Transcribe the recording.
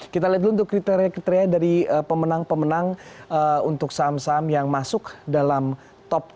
kita lihat dulu untuk kriteria kriteria dari pemenang pemenang untuk saham saham yang masuk dalam top